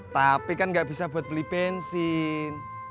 tapi kan nggak bisa buat beli bensin